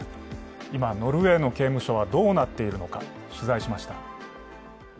今、ノルウェーの刑務所はどうなっているのか、取材しました。